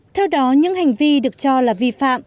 theo đó những hành vi được cho là vi phạm